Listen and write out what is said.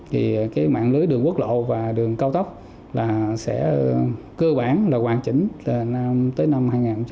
thì cái mạng lưới đường quốc lộ và đường cao tốc là sẽ cơ bản là hoàn chỉnh tới năm hai nghìn hai mươi năm